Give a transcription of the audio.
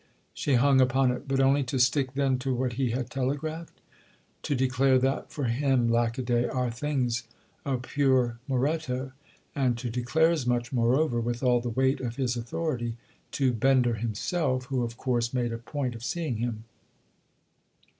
She hung upon it. "But only to stick then to what he had telegraphed?" "To declare that for him, lackaday! our thing's a pure Moretto—and to declare as much, moreover, with all the weight of his authority, to Bender himself, who of course made a point of seeing him."